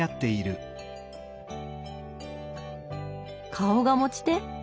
顔が持ち手？